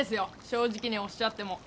正直におっしゃっても。